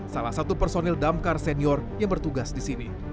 salah satu personil damkar senior yang bertugas di sini